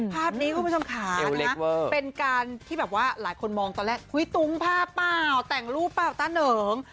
ภาพเล่นชมขาดเป็นการที่แบบว่าหลายคนมองตอนแรกหูยตุ๊งภาพเปล่าแต่งรูปเปล่าต้านเหนิง